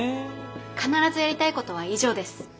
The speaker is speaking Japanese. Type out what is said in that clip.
必ずやりたいことは以上です。